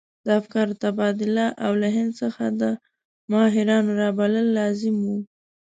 د افکارو تبادله او له هند څخه د ماهرانو رابلل لازم وو.